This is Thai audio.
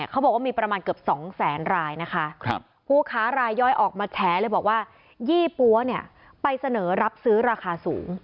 เขาบอกว่ามีประมาณเกือบ๒๐๐๐๐๐รายนะคะ